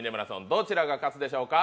どちらが勝つでしょうか。